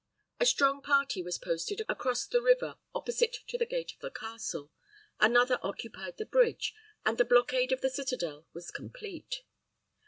A strong party was posted across the river opposite to the gate of the castle, another occupied the bridge, and the blockade of the citadel was complete.